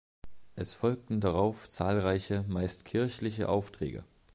Es folgten darauf zahlreiche, meist kirchliche Aufträge.